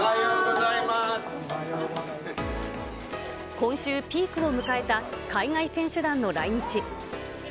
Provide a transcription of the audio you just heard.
今週、ピークを迎えた海外選手団の来日。